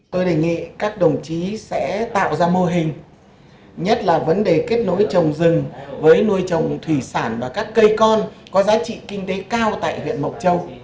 tôi đề nghị các đồng chí sẽ tạo ra mô hình nhất là vấn đề kết nối trồng rừng với nuôi trồng thủy sản và các cây con có giá trị kinh tế cao tại huyện mộc châu